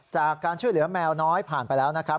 จากการช่วยเหลือแมวน้อยผ่านไปแล้วนะครับ